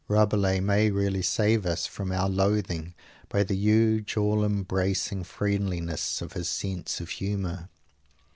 Rabelais may really save us from our loathing by the huge all embracing friendliness of his sense of humor.